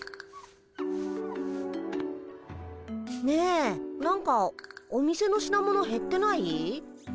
ねえなんかお店の品物へってない？